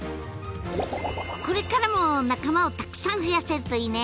これからも仲間をたくさん増やせるといいね。